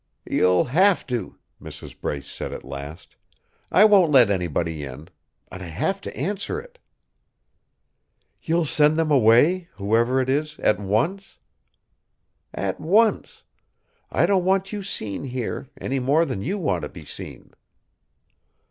"You'll have to!" Mrs. Brace said at last. "I won't let anybody in. I have to answer it!" "You'll send them away whoever it is at once?" "At once. I don't want you seen here, any more than you want to be seen!"